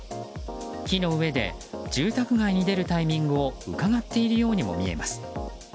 木の上で住宅街に出るタイミングをうかがっているようにも見えます。